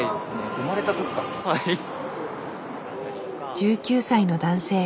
１９歳の男性。